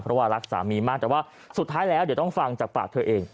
เพราะว่ารักสามีมากแต่ว่าสุดท้ายแล้วเดี๋ยวต้องฟังจากปากเธอเอง